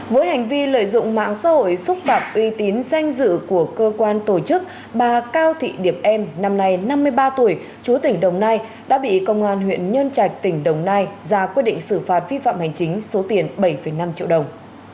với hành vi lợi dụng mạng xã hội xúc phạm uy tín danh dự của cơ quan tổ chức bà cao thị điệp em năm nay năm mươi ba tuổi chú tỉnh đồng nai đã bị công an huyện nhân trạch tỉnh đồng nai ra quyết định xử phạt vi phạm hành chính số tiền bảy năm triệu đồng